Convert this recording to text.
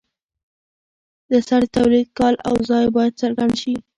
د اثر د تولید کال او ځای باید څرګند شي.